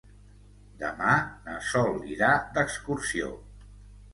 Demà na Sol irà d'excursió.